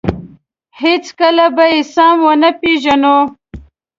هېڅکله به یې سم ونه پېژنو.